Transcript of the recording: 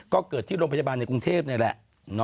ก็เกิดที่โรงพยาบาลในกรุงเทพนี่แหละ